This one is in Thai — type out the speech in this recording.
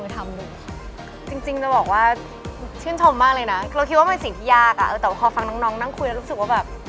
แต่พอฟังน้องนั่งคุยแล้วรู้สึกว่าแบบ